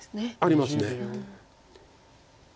あります。